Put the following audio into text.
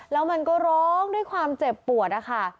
แล้วมันก็ร้องด้วยความเจ็บปวดนะคะ